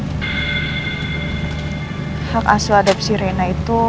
sejak jika nggak ada perjanjian